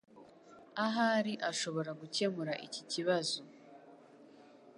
Ahari ashobora gukemura iki kibazo.